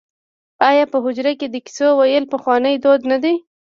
آیا په حجره کې د کیسو ویل پخوانی دود نه دی؟